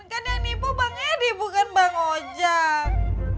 kan yang nipu bang edi bukan bang ojek